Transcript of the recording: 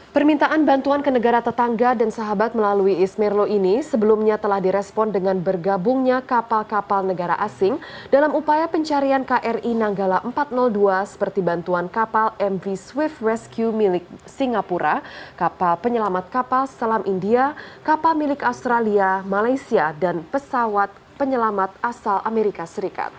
permintaan bantuan ke negara tetangga dan sahabat melalui ismerlo ini sebelumnya telah direspon dengan bergabungnya kapal kapal negara asing dalam upaya pencarian kri nanggala empat ratus dua seperti bantuan kapal mv swift rescue milik singapura kapal penyelamat kapal selam india kapal milik australia malaysia dan pesawat penyelamat asal amerika serikat